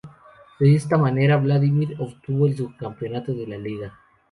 De esta manera, Vladimir obtuvo el subcampeonato de liga.